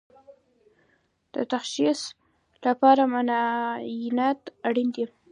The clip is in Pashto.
د تشخیص لپاره معاینات اړین دي